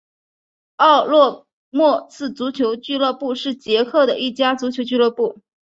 奥洛莫茨足球俱乐部是捷克的一家足球俱乐部。